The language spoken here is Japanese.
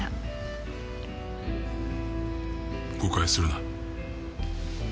誤解するな。